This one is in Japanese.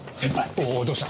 おおどうした？